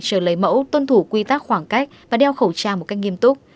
chờ lấy mẫu tuân thủ quy tắc khoảng cách và đeo khẩu trang một cách nghiêm túc